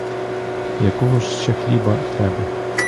Якого ж ще хліба треба?